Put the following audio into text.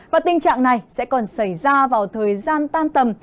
và tình trạng này sẽ còn xảy ra vào thời gian tan tầm